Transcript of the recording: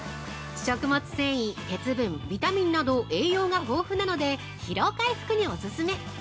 食物繊維・鉄分・ビタミンなど栄養が豊富なので疲労回復にお勧め！